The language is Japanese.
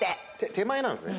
手前なんですね。